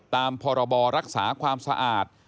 ตามพรบรักษาความสะอาด